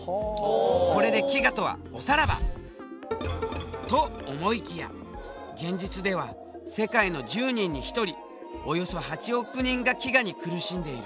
これで飢餓とはおさらば！と思いきや現実では世界の１０人に１人およそ８億人が飢餓に苦しんでいる。